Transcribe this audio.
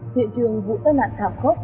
thị trường vụ tân nạn thảm khốc